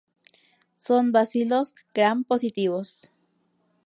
Son bacilos gram-positivos.